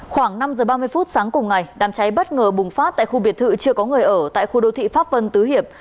khoảng năm giờ ba mươi phút sáng cùng ngày đám cháy bất ngờ bùng phát tại khu biệt thự chưa có người ở tại khu đô thị pháp vân tứ hiệp